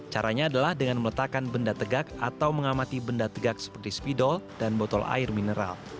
caranya adalah dengan meletakkan benda tegak atau mengamati benda tegak seperti spidol dan botol air mineral